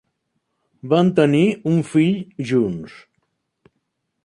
Van tenir un fill junts.